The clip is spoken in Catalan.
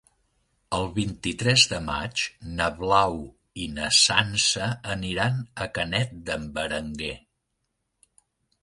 El vint-i-tres de maig na Blau i na Sança aniran a Canet d'en Berenguer.